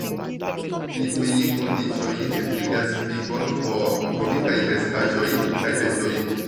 Tiuj kondiĉoj ebligas vivon por tropikaj kreskaĵoj kaj bestoj.